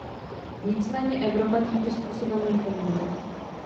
Nicméně Evropa tímto způsobem nefunguje.